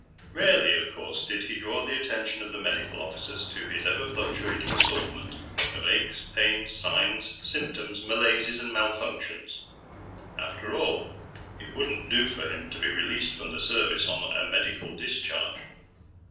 Rarely, of course, did he draw the attention of the medical officers to his ever fluctuating assortment of aches, pains, signs, symptoms, malaises, and malfunctions. After all, it wouldn't do for him to be released from the Service on a Medical Discharge.